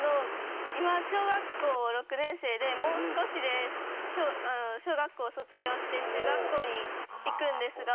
今小学校６年生でもう少しで小学校卒業して中学校に行くんですが。